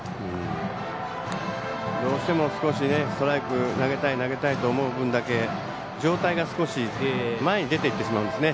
どうしてもストライク投げたいと思う分だけ上体が少し前に出ていってしまうんですね。